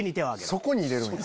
そこに入れるんや。